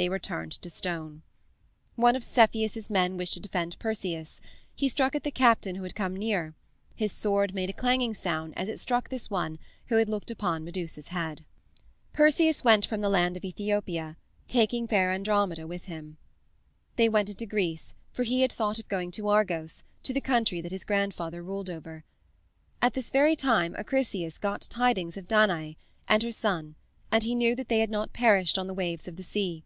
They were turned to stone. One of Cepheus's men wished to defend Perseus: he struck at the captain who had come near; his sword made a clanging sound as it struck this one who had looked upon Medusa's head. Perseus went from the land of Ethopia taking fair Andromeda with him. They went into Greece, for he had thought of going to Argos, to the country that his grandfather ruled over. At this very time Acrisius got tidings of Danae, and her son, and he knew that they had not perished on the waves of the sea.